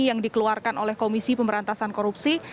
yang dikeluarkan oleh komisi pemberantasan korupsi